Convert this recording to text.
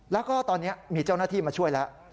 แล้วก็ตอนนี้มีเจ้าหน้าที่มาช่วยแล้ว